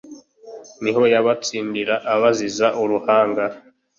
niho yabatsindira abaziza uruhanga